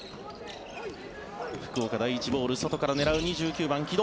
福岡第一ボール外から狙う、２９番城戸。